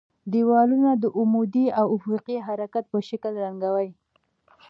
دېوالونه د عمودي او افقي حرکت په شکل رنګوي.